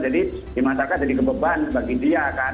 jadi dimantarkan jadi kebeban bagi dia kan